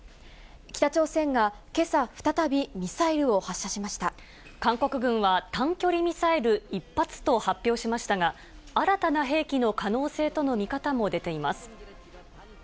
北朝鮮がけさ再び、韓国軍は、短距離ミサイル１発と発表しましたが、新たな兵器の可能性との見方も出ています。